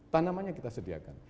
tanamannya kita sediakan